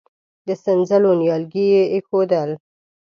د سينځلو نيالګي يې اېښودل.